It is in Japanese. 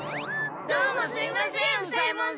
どうもすいません